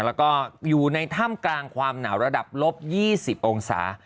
แล้วก็อยู่ในถ้ำกลางความหนาวระดับลบ๒๐องศา